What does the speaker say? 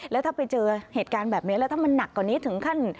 แล้วถ้าไปเจอเหตุการณ์แบบนี้แล้วถ้ามันหนักกว่านี้ถึงขั้น